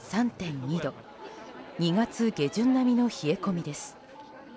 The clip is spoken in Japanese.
２月下旬並みの冷え込みです。